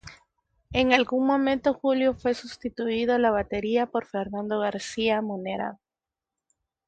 En algún momento, Julio fue sustituido a la batería por Fernando García Munera.